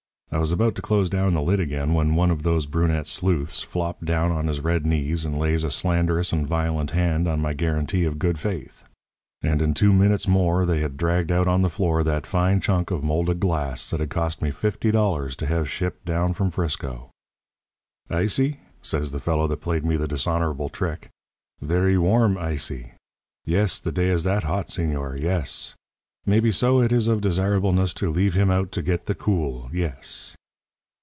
I was about to close down the lid again when one of those brunette sleuths flops down on his red knees and lays a slanderous and violent hand on my guarantee of good faith. And in two minutes more they had dragged out on the floor that fine chunk of molded glass that had cost me fifty dollars to have shipped down from Frisco. "'Ice y?' says the fellow that played me the dishonourable trick; 'verree warm ice y. Yes. The day is that hot, señor. Yes. Maybeso it is of desirableness to leave him out to get the cool. Yes.'